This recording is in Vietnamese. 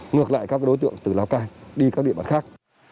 ngược lại các đối tượng từ lào cai đi các địa bàn khác